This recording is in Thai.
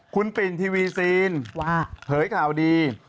คุณปิ่นทีวีซีนเผยข่าวดี